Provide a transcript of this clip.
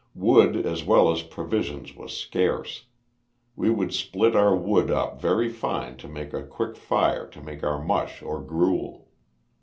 Wood as well as provisions was scarce. We would split our wood up very fine so to make a quick fire to make our mush or gruel.